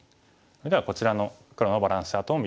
それではこちらの黒のバランスチャートを見てみましょう。